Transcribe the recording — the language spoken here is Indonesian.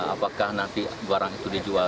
apakah nanti barang itu dijual